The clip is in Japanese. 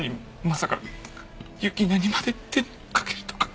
まさか雪菜にまで手にかけるとか。